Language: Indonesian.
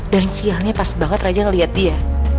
dan siangnya pas banget raja ngeliat dia